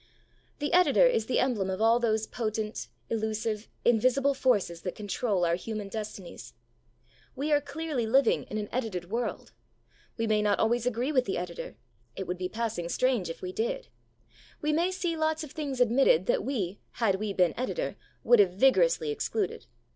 The editor is the emblem of all those potent, elusive, invisible forces that control our human destinies. We are clearly living in an edited world. We may not always agree with the editor; it would be passing strange if we did. We may see lots of things admitted that we, had we been editor, would have vigorously excluded.